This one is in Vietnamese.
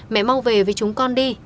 mẹ mau về với chúng con đi